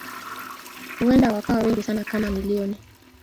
Huenda wakawa wengi sana kama milioni.